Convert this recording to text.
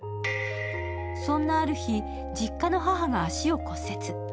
そんなある日、実家の母が足を骨折。